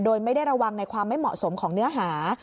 โดยไม่ได้ระวังในความไม่เหมาะสมของเนื้อหา